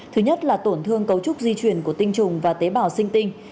thứ nhất là tổn thương cấu trúc di chuyển của tinh trùng và tế bào sinh tinh